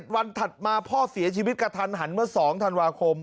วันถัดมาพ่อเสียชีวิตกระทันหันเมื่อ๒ธันวาคม